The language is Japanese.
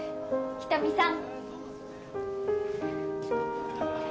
人見さん